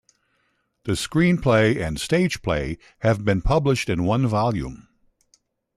The screenplay and stage play have been published in one volume.